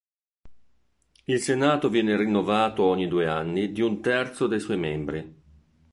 Il Senato viene rinnovato ogni due anni di un terzo dei suoi membri.